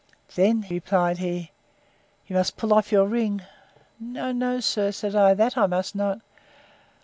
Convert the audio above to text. —Then, replied he, you must pull off your ring. No, no, sir, said I, that I must not.